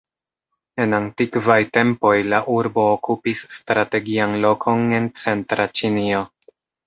En antikvaj tempoj la urbo okupis strategian lokon en centra Ĉinio.